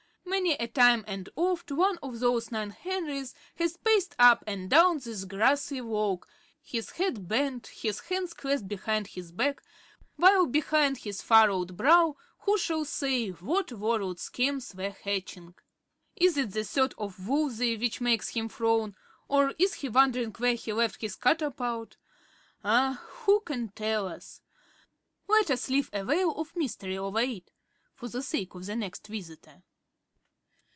Many a time and oft one of those nine Henrys has paced up and down this grassy walk, his head bent, his hands clasped behind his back; while behind his furrowed brow, who shall say what world schemes were hatching? Is it the thought of Wolsey which makes him frown or is he wondering where he left his catapult? Ah! who can tell us? Let us leave a veil of mystery over it ... for the sake of the next visitor.